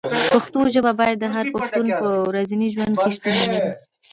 پښتو ژبه باید د هر پښتون په ورځني ژوند کې شتون ولري.